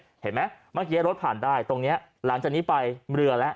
เจ็บมั้ยบางที่ให้รถผ่านได้ตรงนี้หลังจากนี้ไปเรือละ